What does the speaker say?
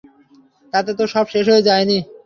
তাতে তো সব শেষ হয়ে যায়নি।